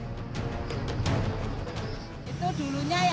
itu dulunya yang beli marsinah